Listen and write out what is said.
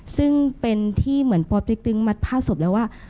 ซึ่งเป็นที่เหมือนปติ๊กตึงมัดผ้าศพแล้วว่า